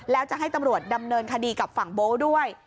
แล้วจะให้ตำรวจดำเนินคดีกับฝั่งโบ๊ทด้วย